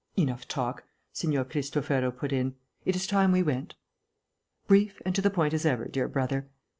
"Enough talk," Signor Cristofero put in. "It is time we went." "Brief and to the point as ever, dear brother.